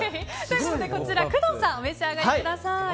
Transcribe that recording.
こちら、工藤さんお召し上がりください。